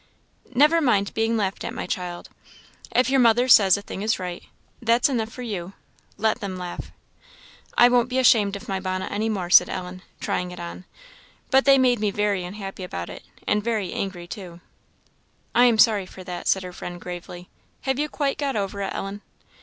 "Never mind being laughed at, my child. If your mother says a thing is right, that's enough for you let them laugh." "I won't be ashamed of my bonnet any more," said Ellen, trying it on; "but they made me very unhappy about it, and very angry, too." "I am sorry for that," said her friend, gravely. "Have you quite got over it, Ellen?"